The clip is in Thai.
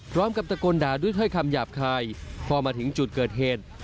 ตะโกนด่าด้วยถ้อยคำหยาบคายพอมาถึงจุดเกิดเหตุ